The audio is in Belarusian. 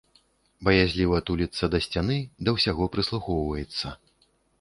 Баязліва туліцца да сцяны, да ўсяго прыслухоўваецца.